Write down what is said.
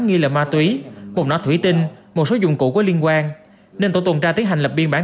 nghi là ma túy một nọ thủy tinh một số dụng cụ có liên quan nên tổ tuần tra tiến hành lập biên bản